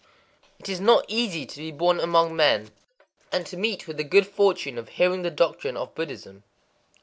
_ It is not easy to be born among men, and to meet with [the good fortune of hearing the doctrine of] Buddhism.